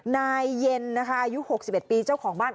นายเย็นนะคะอายุ๖๑ปีเจ้าของบ้าน